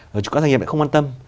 các doanh nghiệp lại không quan tâm